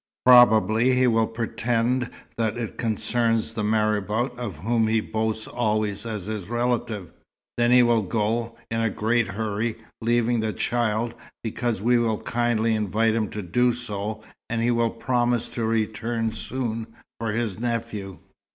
Probably he will pretend that it concerns the marabout, of whom he boasts always as his relative. Then he will go, in a great hurry, leaving the child, because we will kindly invite him to do so; and he will promise to return soon for his nephew.